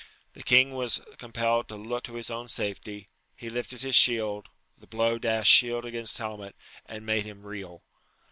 The king was compelled to look to his own safety ; he lifted his shield, the blow dashed shield against helmet, and made him reel.